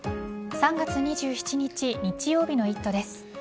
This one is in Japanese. ３月２７日日曜日の「イット！」です。